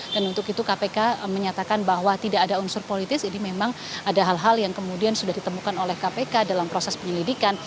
dan untuk itu kpk menyatakan bahwa tidak ada unsur politis ini memang ada hal hal yang kemudian sudah ditemukan oleh kpk dalam proses penyelidikan